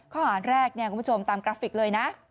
ข้อหาแรกคุณผู้ชมตามกราฟิกเลยนะ